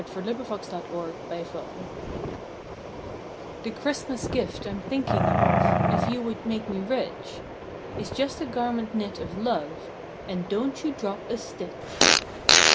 December Twenty second MY GIFT HHHE Christmas Gift I m thinking of, If you would make me rich, Is just a garment knit of Love And don t you drop a stitch!